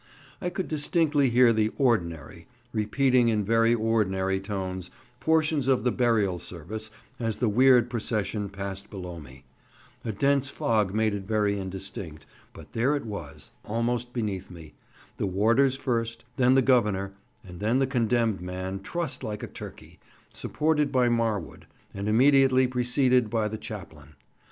I could distinctly hear the "Ordinary" repeating in very ordinary tones portions of the Burial Service as the weird procession passed below me; a dense fog made it very indistinct, but there it was almost beneath me—the warders first, then the Governor, and then the condemned man trussed like a turkey, supported by Marwood, and immediately preceded by the chaplain.